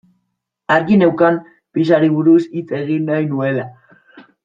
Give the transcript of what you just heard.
Argi neukan pixari buruz hitz egin nahi nuela.